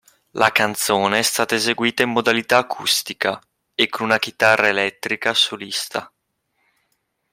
La canzone è stata eseguita in modalità acustica e con una chitarra elettrica solista.